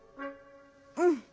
うん。